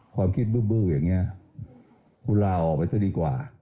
ความคิดบื้ออย่างนี้คุณลาออกไปซะดีกว่า